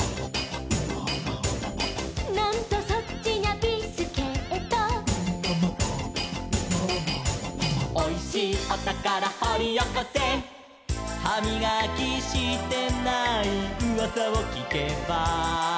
「なんとそっちにゃビスケット」「おいしいおたからほりおこせ」「はみがきしてないうわさをきけば」